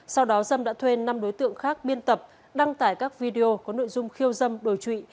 sau đó dâm đã thuê năm đối tượng khác biên tập đăng tải các video có nội dung khiêu dâm đổi trụy